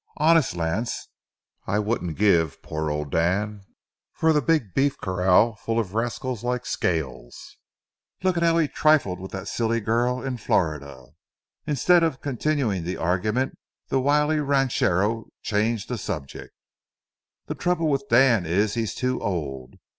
Honest, Lance, I wouldn't give poor old Dan for the big beef corral full of rascals like Scales. Look how he trifled with that silly girl in Florida." Instead of continuing the argument, the wily ranchero changed the subject. "The trouble with Dan is he's too old.